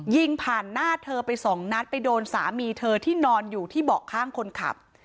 ยิงผ่านหน้าเธอไปสองนัดไปโดนสามีเธอที่นอนอยู่ที่เบาะข้างคนขับ